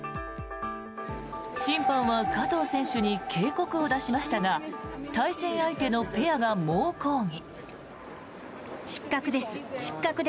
審判は加藤選手に警告を出しましたが対戦相手のペアが猛抗議。